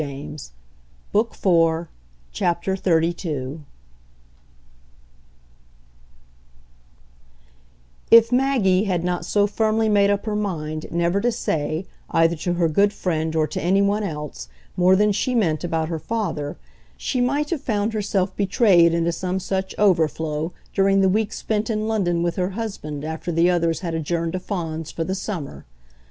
"But she'll never tell us." XXXII If Maggie had not so firmly made up her mind never to say, either to her good friend or to any one else, more than she meant about her father, she might have found herself betrayed into some such overflow during the week spent in London with her husband after the others had adjourned to Fawns for the summer.